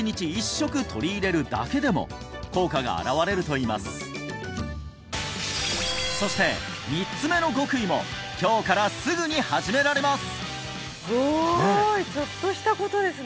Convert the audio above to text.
はいこれをそして３つ目の極意も今日からすぐに始められます